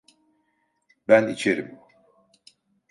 Ben içerim.